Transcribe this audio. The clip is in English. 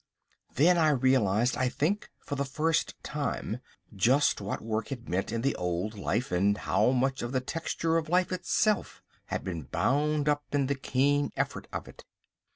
Then I realised, I think for the first time, just what work had meant in the old life, and how much of the texture of life itself had been bound up in the keen effort of it.